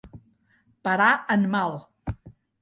Parar en mal.